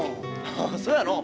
ああそうやのう。